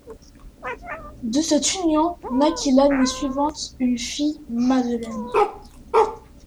De cette union naquit l'année suivante une fille Madeleine.